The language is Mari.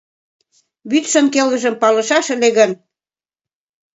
Вӱдшын келгыжым палышаш ыле гын